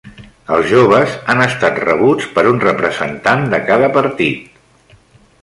Els joves han estat rebuts per un representant de cada partit.